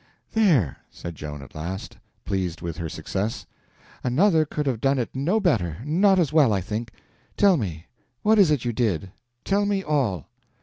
"There," said Joan at last, pleased with her success; "another could have done it no better—not as well, I think. Tell me—what is it you did? Tell me all."